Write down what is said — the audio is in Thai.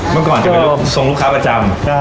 เมื่อก่อนจะไปร่วมทรงลูกค้าประจำ